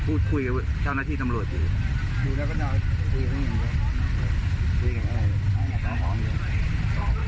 พูดคุยกับเจ้าหน้าที่ตำรวจอยู่ดูแล้วก็น่าวคุยกันอย่างเงียบ